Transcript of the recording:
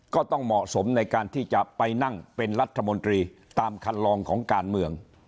ก็ต้องเหมาะสมในการที่จะไปนั่งเป็นรัฐมนตรีตามคันลองของการเมือง